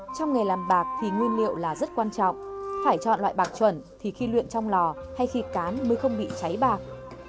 trong nghề làm bạc thì nguyên liệu là rất quan trọng phải chọn loại bạc chuẩn thì khi luyện trong lò hay khi cán mới không bị cháy bạc